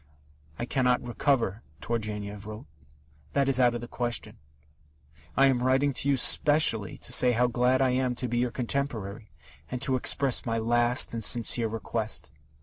"I cannot recover," Turgenev wrote: That is out of the question. I am writing to you specially to say how glad I am to be your contemporary, and to express my last and sincere request.